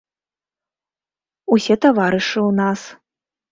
Усе таварышы ў нас!